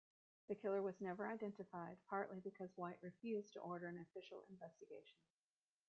The killer was never identified, partly because White refused to order an official investigation.